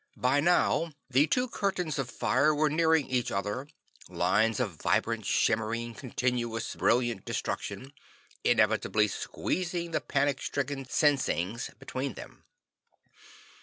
By now the two curtains of fire were nearing each other, lines of vibrant, shimmering, continuous, brilliant destruction, inevitably squeezing the panic stricken Sinsings between them.